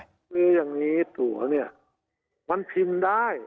คืออย่างนี้ตัวเนี่ยมันพิมพ์ได้